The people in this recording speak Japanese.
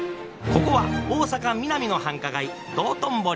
ここは大阪ミナミの繁華街道頓堀。